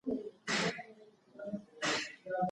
ړوند سړی تر نورو له ږیري سره ډوډۍ او مڼه ډېره اخلي.